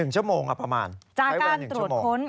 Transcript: ๑ชั่วโมงครับประมาณ